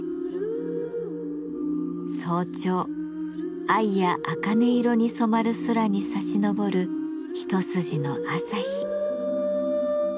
早朝藍やあかね色に染まる空にさし昇る一筋の朝日。